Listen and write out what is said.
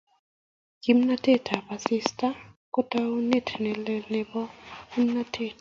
Kimnatetab asista ko taunet ne lel nebo kimnatet